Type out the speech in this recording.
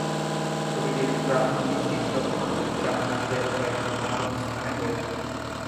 ছবিটির প্রারম্ভিক চিত্রগ্রহণ দিচাংমুখ-এর এক মনোরম স্থানে হয়েছিল।